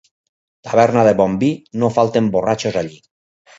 Taverna de bon vi, no falten borratxos allí.